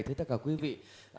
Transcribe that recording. thưa tất cả quý vị